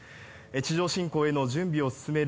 地上侵攻への準備を進める